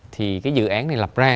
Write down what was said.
thì dự án này lập ra